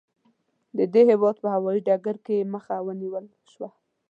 د دې هېواد په هوايي ډګر کې یې مخه ونیول شوه.